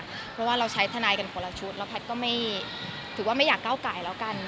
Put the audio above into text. เพราะว่าเราใช้ทนายกันคนละชุดแล้วแพทย์ก็ไม่ถือว่าไม่อยากก้าวไก่แล้วกัน